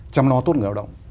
chăm lo tốt người lao động